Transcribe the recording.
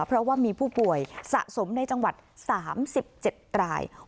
เพราะว่ามีผู้ป่วยสะสมในจังหวัด๓๗ราย